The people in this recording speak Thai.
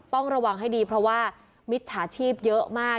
ต้องระวังให้ดีเพราะว่ามิจฉาชีพเยอะมาก